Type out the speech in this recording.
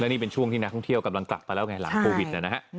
นี่เป็นช่วงที่นักท่องเที่ยวกำลังกลับมาแล้วไงหลังโควิดนะฮะ